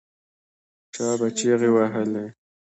چا به چیغې وهلې.